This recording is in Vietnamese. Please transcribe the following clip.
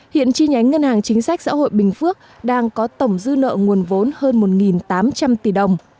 hiện chi nhánh ngân hàng chính sách xã hội bình phước đang có tổng dư nợ nguồn vốn hơn một tám trăm linh tỷ đồng